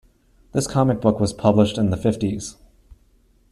This comic book was published in the fifties.